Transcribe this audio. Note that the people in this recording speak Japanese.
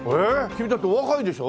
君だってお若いでしょ？